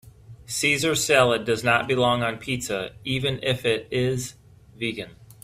Caesar salad does not belong on a pizza even if it is vegan.